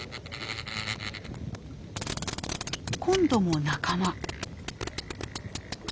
今度も仲間。